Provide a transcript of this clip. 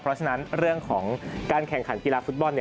เพราะฉะนั้นเรื่องของการแข่งขันกีฬาฟุตบอล